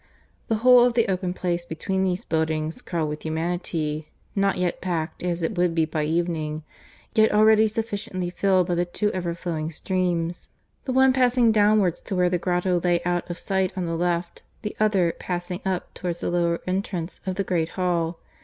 The whole of the open Place between these buildings crawled with humanity not yet packed as it would be by evening yet already sufficiently filled by the two ever flowing streams the one passing downwards to where the grotto lay out of sight on the left, the other passing up towards the lower entrance of the great hall.